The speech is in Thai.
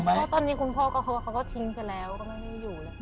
เพราะตอนนี้คุณพ่อกับเขาก็ชิงไปแล้วก็ไม่มีอยู่เลย